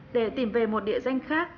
để tìm về một địa danh khác